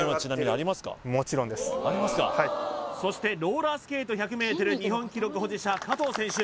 ありますかそしてローラースケート１００ｍ日本記録保持者加藤選手